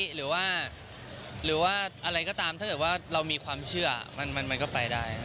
หรือว่าอะไรก็ตามถ้าเกิดว่าเรามีความเชื่อมันก็ไปได้